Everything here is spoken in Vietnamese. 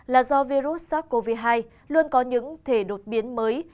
là do virus sars cov hai luôn có những thể đột biến mới